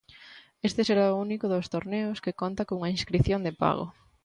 Este será o único dos torneos que conta cunha inscrición de pago.